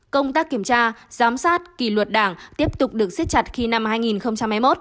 công tác kiểm tra giám sát kỳ luật đảng tiếp tục được xiết chặt khi năm hai nghìn hai mươi một